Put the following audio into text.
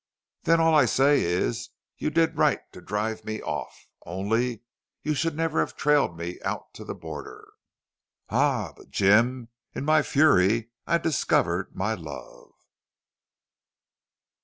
"Then all I say is you did right to drive me off.... Only you should never have trailed me out to the border." "Ah!... But, Jim, in my fury I discovered my love!"